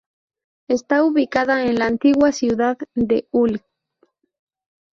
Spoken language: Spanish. Está ubicada en la antigua ciudad de Hull.